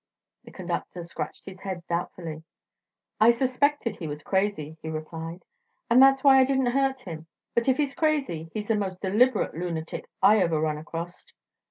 The conductor scratched his head doubtfully. "I suspected he was crazy," he replied, "and that's why I didn't hurt him. But if he's crazy he's the most deliberate loonatic I ever run acrost."